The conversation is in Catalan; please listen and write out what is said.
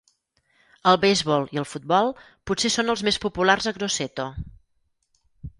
El beisbol i el futbol potser són els més populars a Grosseto.